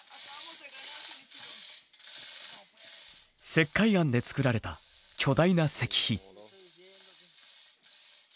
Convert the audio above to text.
石灰岩で造られた巨大な石碑。